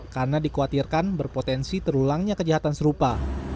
karena dikhawatirkan berpotensi terulangnya kejahatan serupa